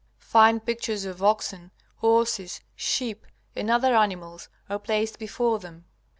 Fine pictures of oxen, horses, sheep, and other animals are placed before them.